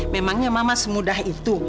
memangnya mama semudah itu